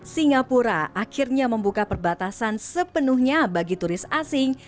singapura akhirnya membuka perbatasan sepenuhnya bagi turis asing